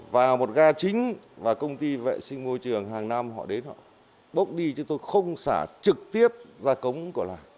và một ga chính và công ty vệ sinh môi trường hàng năm họ đến họ bốc đi chúng tôi không xả trực tiếp ra cống của làng